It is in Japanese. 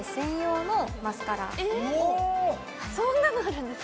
そんなのあるんですか！？